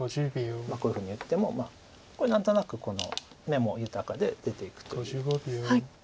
こういうふうに打ってもこれ何となく眼も豊かで出ていくという。